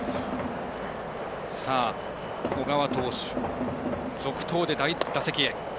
小川投手続投で打席へ。